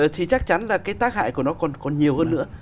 thì chắc chắn là cái tác hại của nó còn nhiều hơn nữa